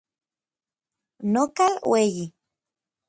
Nokal ueyi.